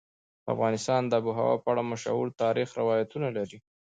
افغانستان د آب وهوا په اړه مشهور تاریخی روایتونه لري.